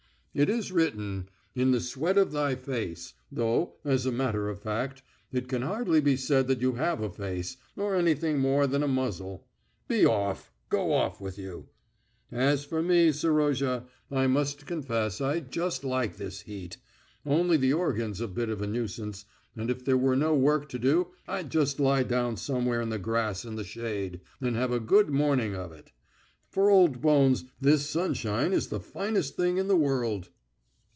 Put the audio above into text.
"It is written, 'In the sweat of thy face,' though, as a matter of fact, it can hardly be said that you have a face, or anything more than a muzzle.... Be off! Go off with you.... As for me, Serozha, I must confess I just like this heat. Only the organ's a bit of a nuisance, and if there were no work to do I'd just lie down somewhere in the grass in the shade, and have a good morning of it. For old bones this sunshine is the finest thing in the world."